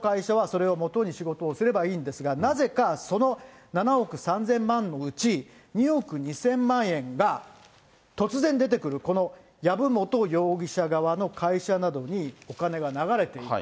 本来ならその会社はそれをもとに仕事をすればいいんですが、なぜかその７億３０００万のうち、２億２０００万円が突然出てくる、この籔本容疑者側の会社などにお金が流れている。